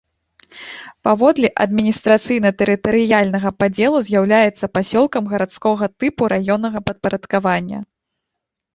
Паводле адміністрацыйна-тэрытарыяльнага падзелу з'яўляецца пасёлкам гарадскога тыпу раённага падпарадкавання.